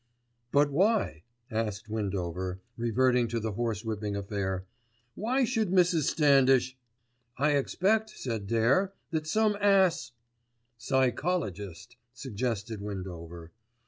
"But why?" asked Windover reverting to the horsewhipping affair, "why should Mrs. Standish——" "I expected," said Dare, "that some ass——" "Psychologist," suggested Windover.